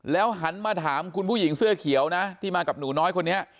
หันมาถามคุณผู้หญิงเสื้อเขียวนะที่มากับหนูน้อยคนนี้